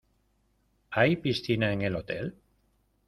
¿Hay piscina en el hotel?